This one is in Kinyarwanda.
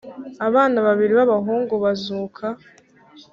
abana babiri b’abahungu bazuka